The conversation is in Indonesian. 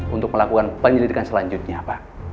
untuk melakukan penyelidikan selanjutnya apa